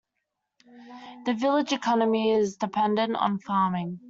The village economy is dependent on farming.